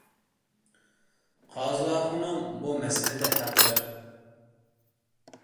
قازاخۇنۇم بۇ مەسىلىدە ھەقلىق.